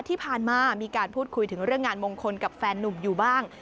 ที่ผ่านมามีการพูดคุยถึงเรื่องงานมงคลกับแฟนนุ่มอยู่บ้าง